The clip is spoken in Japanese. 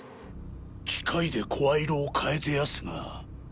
機械で声色を変えてやすが。